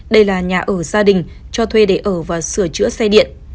đây là nhà ở gia đình cho thuê để ở và sửa chữa xe điện